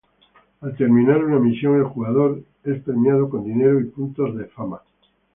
Al terminar una misión, el jugador es premiado con dinero y puntos de "Fama".